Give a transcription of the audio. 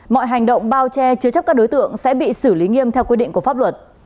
mọi hành động bao che chứa chấp các đối tượng sẽ bị xử lý nghiêm theo quy định của pháp luật